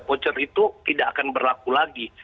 voucher itu tidak akan berlaku lagi